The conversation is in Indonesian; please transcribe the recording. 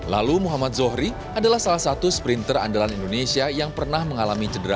lalu muhammad zohri adalah salah satu sprinter andalan indonesia yang pernah mengalami cedera